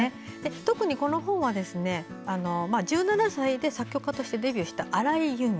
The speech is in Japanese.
特にこの本は１７歳で作曲家としてデビューした荒井由実。